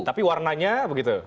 tapi warnanya begitu